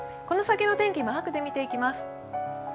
この先の天気、マークで見ていきます。